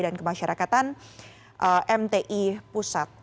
dan kemasyarakatan mti pusat